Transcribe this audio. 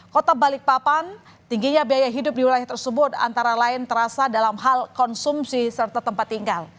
kota balikpapan tingginya biaya hidup di wilayah tersebut antara lain terasa dalam hal konsumsi serta tempat tinggal